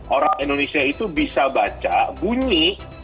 orang indonesia itu bisa baca bunyi